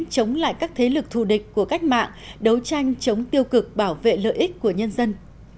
chống lại các thế lực thù địch của cách mạng đấu tranh chống tiêu cực bảo vệ lợi ích của nhân dân